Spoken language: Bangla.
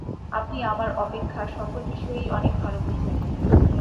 আপনি আমার অপেক্ষা সকল বিষয়েই অনেক ভাল বুঝেন।